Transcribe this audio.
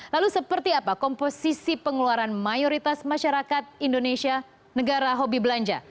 lalu seperti apa komposisi pengeluaran mayoritas masyarakat indonesia negara hobi belanja